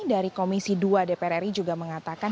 dari komisi dua dpr ri juga mengatakan